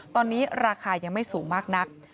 ตอนนี้ราคายังไม่สูงมากนัก